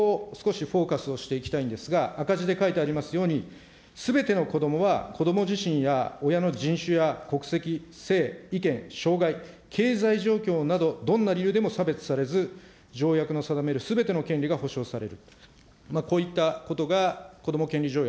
ここ、少しフォーカスをしていきたいんですが、赤字で書いてありますように、すべてのこどもはこども自身や親の人種や国籍、性、いけん、障害、経済状況など、どんな理由でも差別されず、条約の定めるすべての権利が保障される。